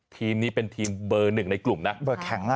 ทีมนี้เป็นทีมเบอร์หนึ่งในกลุ่มนะ